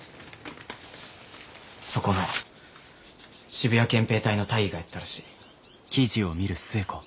そこの渋谷憲兵隊の大尉がやったらしい。